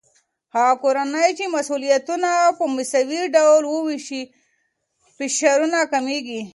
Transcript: هغه کورنۍ چې مسؤليتونه په مساوي ډول وويشي، فشارونه کمېږي.